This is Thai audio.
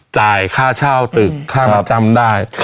จ่ายค่าเช่าตึกค่าประจำได้